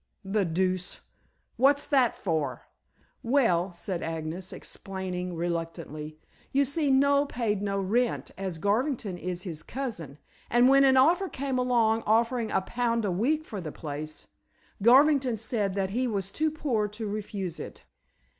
"The deuce! What's that for?" "Well," said Agnes, explaining reluctantly, "you see Noel paid no rent, as Garvington is his cousin, and when an offer came along offering a pound a week for the place, Garvington said that he was too poor to refuse it.